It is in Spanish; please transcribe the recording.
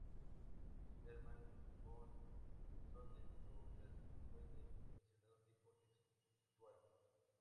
Hermann von Soden lo clasificó en el mencionado tipo textual.